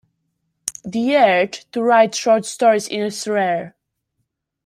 The urge to write short stories is rare.